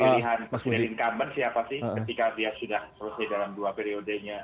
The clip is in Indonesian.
pilihan presiden incumbent siapa sih ketika dia sudah selesai dalam dua periodenya